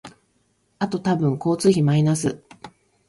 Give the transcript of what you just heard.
あと多分交通費マイナス